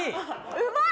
うまい！